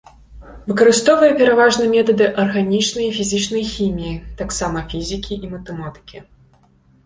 Выкарыстоўвае пераважна метады арганічнай і фізічнай хіміі, таксама фізікі і матэматыкі.